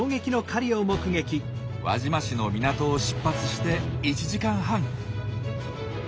輪島市の港を出発して１時間半。